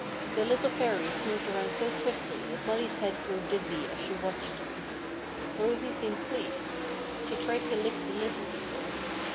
The little Fairies moved around so swiftly that Molly's head grew dizzy as she watched them. Rosy seemed pleased. She tried to lick the Little People.